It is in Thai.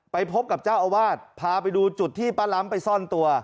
ไปพบกับเจ้าอวาทผ้าไปดูจุดที่ป้าล้ำ